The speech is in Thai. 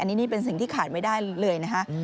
นี่เป็นสิ่งที่ขาดไม่ได้เลยนะฮะ